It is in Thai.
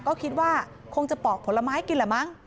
ก็คิดว่าคงจะปอกผลไม้กินแหละมั้ง